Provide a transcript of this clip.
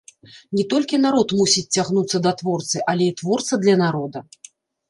Не толькі народ мусіць цягнуцца да творцы, але і творца для народа.